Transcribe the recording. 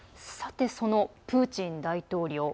そのプーチン大統領。